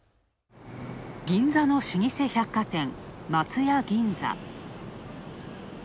銀座の老舗百貨店、松屋銀座。